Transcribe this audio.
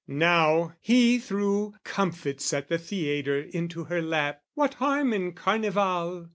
Now he threw comfits at the theatre Into her lap, what harm in Carnival?